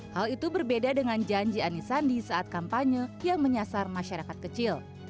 hal itu berbeda dengan janji anis sandi saat kampanye yang menyasar masyarakat kecil